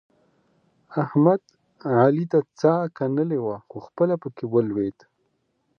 احمد؛ علي ته څا کنلې وه؛ خو خپله په کې ولوېد.